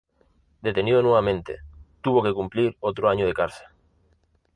Detenido nuevamente, tuvo que cumplir otro año de cárcel.